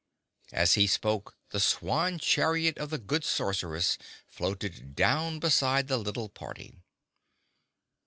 As he spoke the swan chariot of the good Sorceress floated down beside the little party.